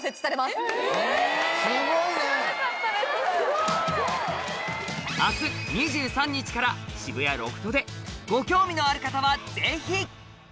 すごい・明日２３日から渋谷ＬＯＦＴでご興味のある方はぜひ！